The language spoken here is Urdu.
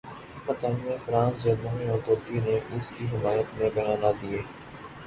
برطانیہ، فرانس، جرمنی اور ترکی نے اس کی حمایت میں بیانات دیے۔